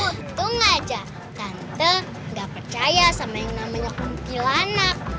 untung aja tante gak percaya sama yang namanya kunti lanak